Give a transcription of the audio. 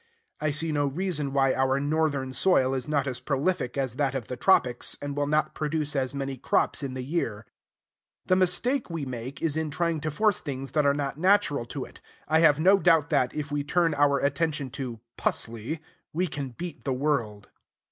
I see no reason why our northern soil is not as prolific as that of the tropics, and will not produce as many crops in the year. The mistake we make is in trying to force things that are not natural to it. I have no doubt that, if we turn our attention to "pusley," we can beat the world.